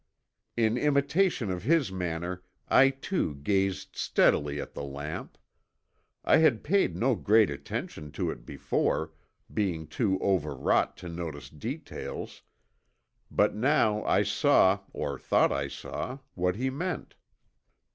In imitation of his manner, I too gazed steadily at the lamp. I had paid no great attention to it before, being too overwrought to notice details, but now I saw, or thought I saw, what he meant.